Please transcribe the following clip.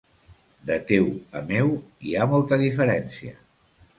De teu a meu hi ha molta diferència.